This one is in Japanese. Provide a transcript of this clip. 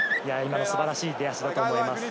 素晴らしい出だしだと思います。